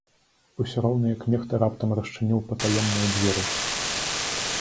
Усё роўна як нехта раптам расчыніў патаемныя дзверы.